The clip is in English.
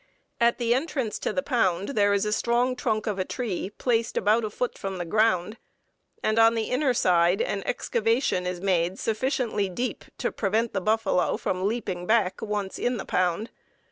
At the entrance to the pound there is a strong trunk of a tree placed about a foot from the ground, and on the inner side an excavation is made sufficiently deep to prevent the buffalo from leaping back when once in the pound.